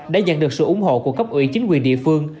đã dần được sự ủng hộ của cấp ủy chính quyền địa phương